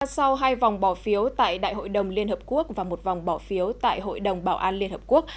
sau hai vòng bỏ phiếu tại đại hội đồng liên hợp quốc và một vòng bỏ phiếu tại hội đồng bảo an liên hợp quốc